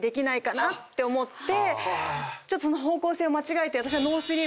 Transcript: その方向性を間違えて。